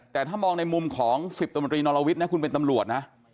แต่ถ้ามองในมุมของสิปโดมตรีนอลวิธนะคุณเป็นตำรวจนะ